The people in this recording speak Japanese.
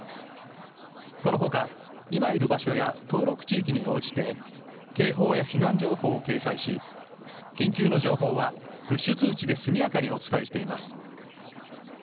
このほか、今いる場所や登録地域に応じて警報や避難情報を掲載し緊急の情報はプッシュ通知で速やかにお伝えしています。